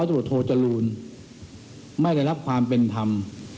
ร้อยโดโทษจรุนไม่ได้รับความเป็นธรรม